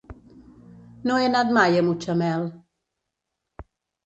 No he anat mai a Mutxamel.